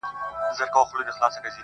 o ستا په غوښو دي بلا توره مړه سي,